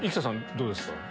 どうですか？